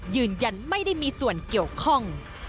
ยืนยันไม่ได้มีส่วนเกี่ยวข้อง